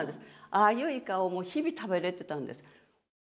ああいうイカを日々食べれてたんです。